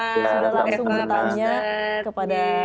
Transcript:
sudah langsung bertanya kepada